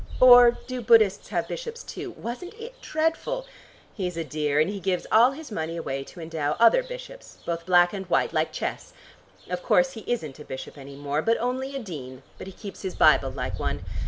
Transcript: Or do Buddhists have bishops, too? Wasn't it dreadful? He's a dear, and he gives all his money away to endow other bishops, both black and white like chess. Of course he isn't a bishop any more, but only a dean, but he keeps his Bible like one.